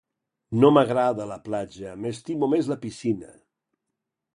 No m'agrada la platja, m'estimo més la piscina.